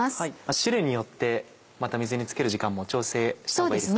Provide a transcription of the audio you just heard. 種類によってまた水につける時間も調整したほうがいいですか？